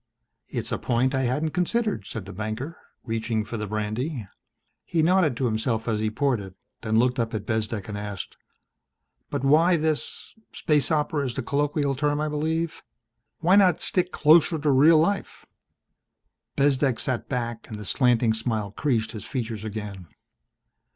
"It's a point I hadn't considered," said the banker, reaching for the brandy. He nodded to himself as he poured it, then looked up at Bezdek and asked, "But why this space opera is the colloquial term, I believe? Why not stick closer to real life?" Bezdek sat back and the slanting smile creased his features again.